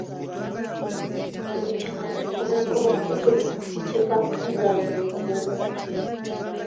Mu kyalo omwenge okubula kivaako engalabi okuwumba.